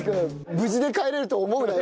無事で帰れると思うなよ